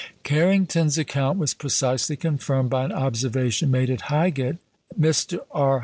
Carrington's account was precisely confirmed by an observation made at Highgate. Mr. R.